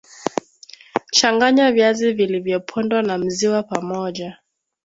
changanya viazi vilivyopondwa na mziwa pamoja